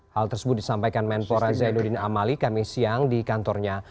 hal tersebut disampaikan menpora zainuddin amali kami siang di kantornya